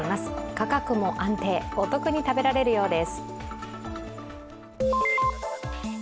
価格も安定、お得に食べられるようです。